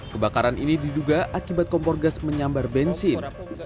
kebakaran ini diduga akibat kompor gas menyambar bensin